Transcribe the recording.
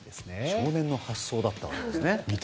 少年の発想だったわけですね。